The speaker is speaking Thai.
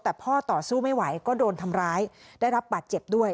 แต่พ่อต่อสู้ไม่ไหวก็โดนทำร้ายได้รับบาดเจ็บด้วย